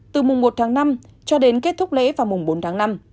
từ mùng một tháng năm cho đến kết thúc lễ vào mùng bốn tháng năm